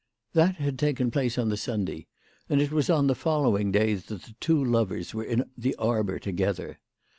That had taken place on the Sunday, and it was on the following day that the two lovers were in the arbour together.